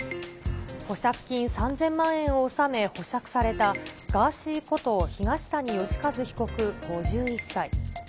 保釈金３０００万円を納め、保釈された、ガーシーこと東谷義和被告５１歳。